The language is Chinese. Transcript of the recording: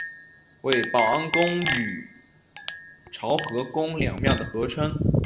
为保安宫与潮和宫两庙的合称。